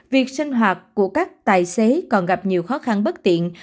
việc sinh hoạt của các tài xế còn gặp nhiều khó khăn bất tiện